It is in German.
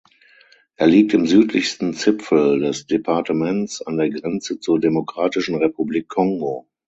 Er liegt im südlichsten zipfel des Departements an der Grenze zur Demokratischen Republik Kongo.